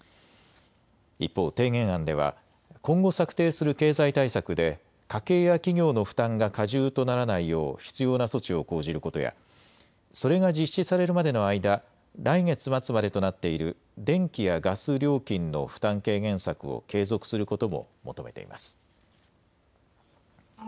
一方、提言案では今後、策定する経済対策で家計や企業の負担が過重とならないよう必要な措置を講じることやそれが実施されるまでの間、来月末までとなっている電気やガス料金の負担軽減策を継続することも求めています。